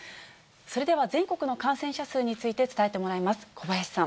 それでは、全国の感染者数について伝えてもらいます。